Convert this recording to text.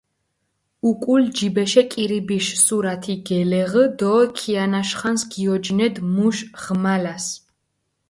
უკულ ჯიბეშე კირიბიშ სურათი გელეღჷ დო ქიანაშ ხანს გიოჯინედჷ მუშ ღმალას.